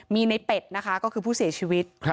มีในเป็ดนะคะก็คือผู้เสียชีวิต